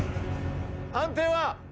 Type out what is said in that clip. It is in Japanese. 判定は。